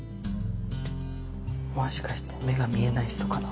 もしかして目が見えない人かな。